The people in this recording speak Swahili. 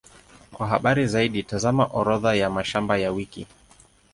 Kwa habari zaidi, tazama Orodha ya mashamba ya wiki.